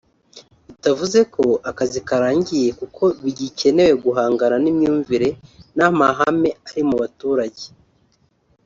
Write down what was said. bitavuze ko akazi karangiye kuko bigikenewe guhangana n’imyumvire n’amahame ari mu baturage